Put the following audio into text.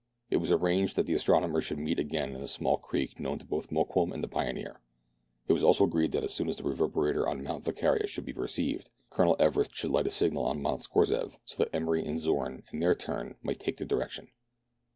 It was arranged that the astronomers should meet again in a small creek known to both Mokoum and the pioneer ; it was also agreed that as soon as the reverberator on Mount Volquiria should be perceived, Colonel Everest should light a signal on Mount Scorzef, so that Emery and Zorn, in their turn, might take the direction.